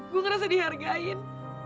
gue ngerasa dihargain